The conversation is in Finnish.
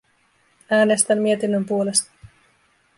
Äänestän mietinnön puolesta.